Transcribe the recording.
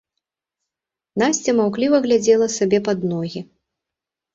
Насця маўкліва глядзела сабе пад ногі.